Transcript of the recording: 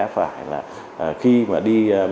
phải là khi mà đi